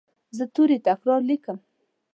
زه توري تکرار لیکم.